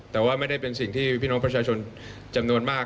แต่ว่าไม่ได้เป็นสิ่งที่พี่น้องประชาชนจำนวนมาก